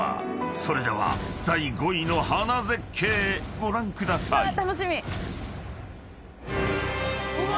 ［それでは第５位の花絶景ご覧ください］うわ！